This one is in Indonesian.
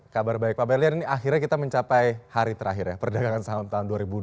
kabar baik pak berlian ini akhirnya kita mencapai hari terakhir ya perdagangan saham tahun dua ribu dua puluh